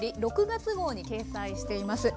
６月号に掲載しています。